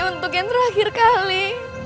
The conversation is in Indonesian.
untuk yang terakhir kali